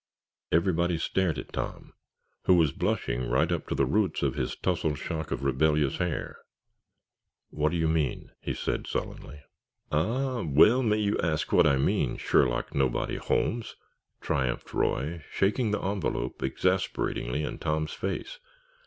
Everybody stared at Tom, who was blushing right up to the roots of his towsled shock of rebellious hair. "What do you mean?" said he, sullenly. "Ah, well may you ask what I mean, Sherlock Nobody Holmes!" triumphed Roy, shaking the envelope exasperatingly in Tom's face.